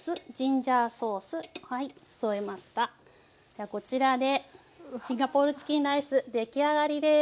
ではこちらでシンガポールチキンライス出来上がりです。